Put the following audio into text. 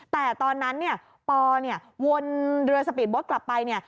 แต่ตอนนั้นเนี่ยปอเนี่ยวนเรือสปีดโบ๊ทกลับไปเนี่ย